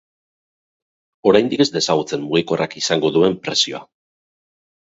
Oraindik ez da ezagutzen mugikorrak izango duen prezioa.